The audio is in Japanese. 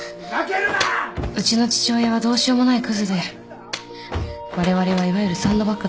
うちの父親はどうしようもないくずでわれわれはいわゆるサンドバッグだった。